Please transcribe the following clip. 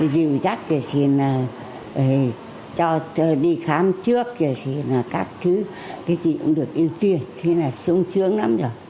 điều giác thì là đi khám trước các thứ thì cũng được yêu thương xung sướng lắm rồi